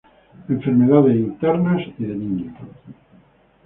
Enfermedades internas y de niños.